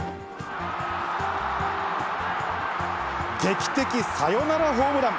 劇的サヨナラホームラン。